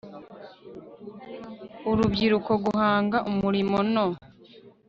urubyiruko guhanga umurimo no